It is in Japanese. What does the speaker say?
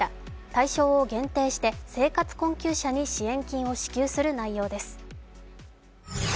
対象を限定して生活困窮者に支援金を支給する狙いです。